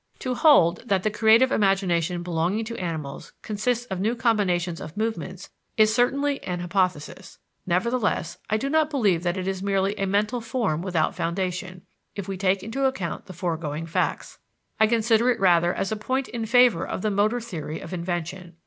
To hold that the creative imagination belonging to animals consists of new combinations of movements is certainly an hypothesis. Nevertheless, I do not believe that it is merely a mental form without foundation, if we take into account the foregoing facts. I consider it rather as a point in favor of the motor theory of invention.